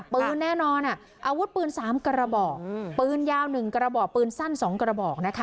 ปืนแน่นอนอาวุธปืน๓กระบอกปืนยาว๑กระบอกปืนสั้น๒กระบอกนะคะ